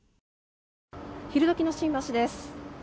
昼時の新橋です。